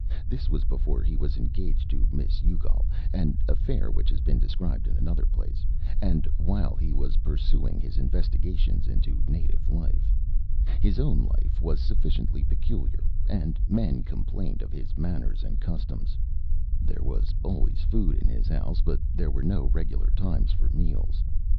This was before he was engaged to Miss Youghal an affair which has been described in another place and while he was pursuing his investigations into native life. His own life was sufficiently peculiar, and men complained of his manners and customs. There was always food in his house, but there were no regular times for meals.